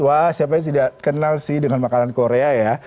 wah siapa yang tidak kenal sih dengan makanan korea ya